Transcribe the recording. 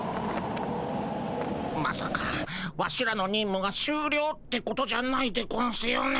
まさかワシらのにんむがしゅうりょうってことじゃないでゴンスよね。